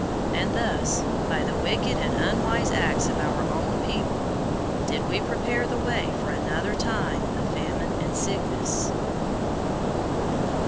And thus, by the wicked and unwise acts of our own people, did we prepare the way for another time of famine and sickness.